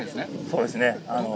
そうですね。